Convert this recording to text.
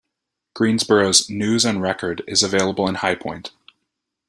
Greensboro's "News and Record" is available in High Point.